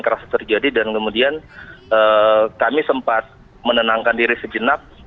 kemudian kemudian kami sempat menenangkan diri sejenak